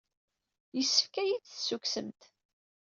Yessefk ad iyi-d-tessukksemt.